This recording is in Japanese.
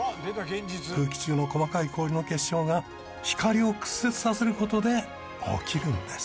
空気中の細かい氷の結晶が光を屈折させる事で起きるんです。